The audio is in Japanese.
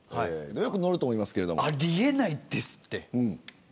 よく乗ると思いますあり得ないですって。